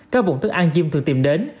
các vùng thức ăn chim thường tìm đến